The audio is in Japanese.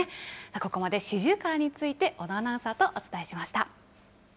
ここまでシジュウカラについて、小野アナウンサーとお伝えしました。